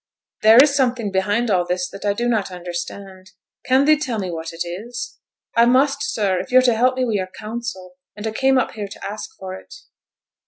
'There is something behind all this that I do not understand. Can thee tell me what it is?' 'I must, sir, if yo're to help me wi' your counsel; and I came up here to ask for it.'